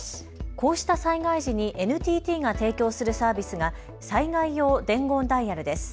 こうした災害時にＮＴＴが提供するサービスが災害用伝言ダイヤルです。